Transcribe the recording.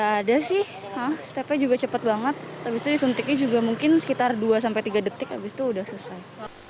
ada sih stepnya juga cepet banget habis itu disuntiknya juga mungkin sekitar dua sampai tiga detik habis itu udah selesai